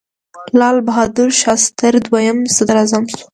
لال بهادر شاستري دویم صدراعظم شو.